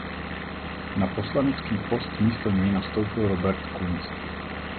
Na poslanecký post místo něj nastoupil Robert Kunst.